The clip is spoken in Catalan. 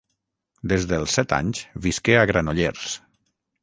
Des dels set anys visqué a Granollers.